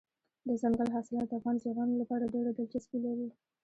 دځنګل حاصلات د افغان ځوانانو لپاره ډېره دلچسپي لري.